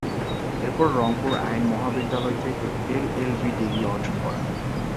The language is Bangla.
এরপর রংপুর আইন মহাবিদ্যালয় থেকে এলএলবি ডিগ্রি অর্জন করেন।